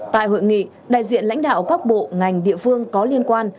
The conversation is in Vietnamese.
tại hội nghị đại diện lãnh đạo các bộ ngành địa phương có liên quan